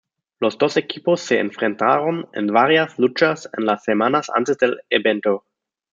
Los dos equipos se enfrentaron, en varias luchas en las semanas antes del evento.